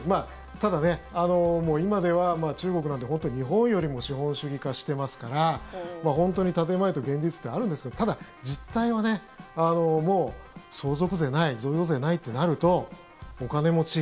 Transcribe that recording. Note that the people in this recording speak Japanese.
ただ、今では中国なんて日本よりも資本主義化してますから本当に建前と現実ってあるんですがただ実態は、もう相続税ない贈与税ないってなるとお金持ち